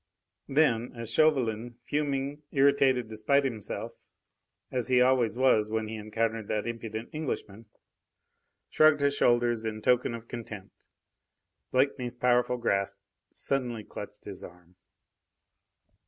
Then, as Chauvelin, fuming, irritated despite himself, as he always was when he encountered that impudent Englishman, shrugged his shoulders in token of contempt, Blakeney's powerful grasp suddenly clutched his arm.